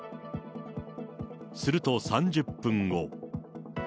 すると３０分後。